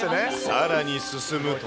さらに進むと。